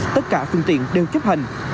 tất cả phương tiện đều chấp hành